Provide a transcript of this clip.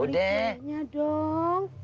boleh kuehnya dong